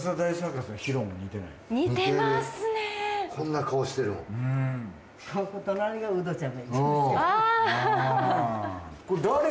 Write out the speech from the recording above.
こんな顔してるもん。